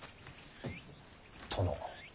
殿。